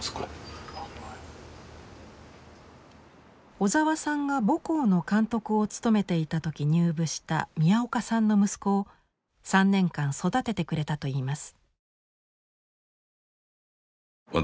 小沢さんが母校の監督を務めていた時入部した宮岡さんの息子を３年間育ててくれたといいます。